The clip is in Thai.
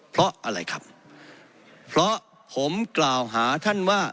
เพราะอะไรครับเพราะผมกล่าวหาท่านว่า